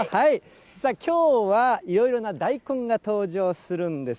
さあ、きょうはいろいろな大根が登場するんです。